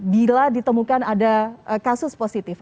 bila ditemukan ada kasus positif